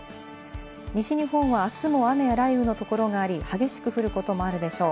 西日本はあすも雨や雷雨のところがあり、激しく降ることもあるでしょう。